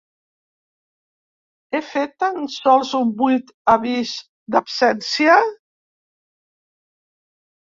He fet tan sols un buit abís d'absència?